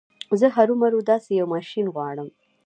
زه هرو مرو داسې يو ماشين غواړم.